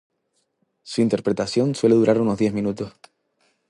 Su interpretación suele durar unos diez minutos.